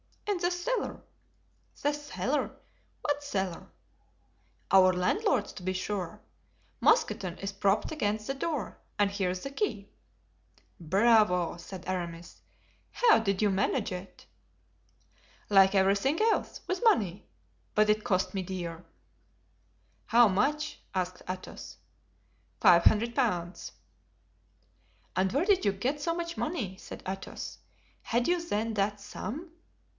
"In the cellar." "The cellar—what cellar?" "Our landlord's, to be sure. Mousqueton is propped against the door and here's the key." "Bravo!" said Aramis, "how did you manage it?" "Like everything else, with money; but it cost me dear." "How much?" asked Athos. "Five hundred pounds." "And where did you get so much money?" said Athos. "Had you, then, that sum?"